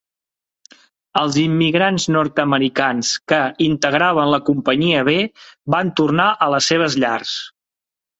Els immigrants nord-americans que integraven la Companyia B van tornar a les seves llars.